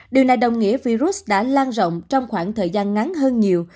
điều này đồng nghĩa virus đã lan rộng trong khoảng thời gian ngắn hơn nhiều